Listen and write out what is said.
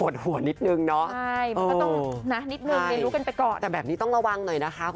ใช่นางล้มแบบนี้บ่อย